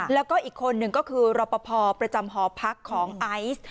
แล้วก็อีกคนหนึ่งก็คือรอปภประจำหอพักของไอซ์